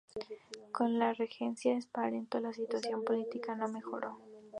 Con la regencia de Espartero la situación política no mejoró.